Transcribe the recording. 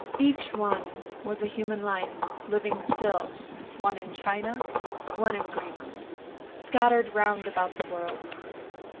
Each one was a human life, living still, one in China, one in Greenland, scattered round about the world.